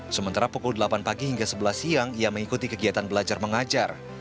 sementara pukul delapan pagi hingga sebelas siang ia mengikuti kegiatan belajar mengajar